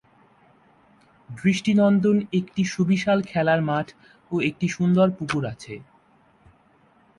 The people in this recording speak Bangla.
দৃষ্টিনন্দন একটি সুবিশাল খেলার মাঠ ও একটি সুন্দর পুকুর আছে।